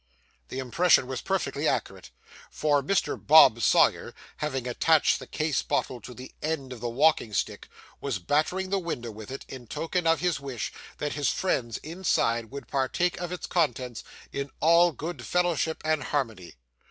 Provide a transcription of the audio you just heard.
The impression was perfectly accurate; for Mr. Bob Sawyer, having attached the case bottle to the end of the walking stick, was battering the window with it, in token of his wish, that his friends inside would partake of its contents, in all good fellowship and harmony.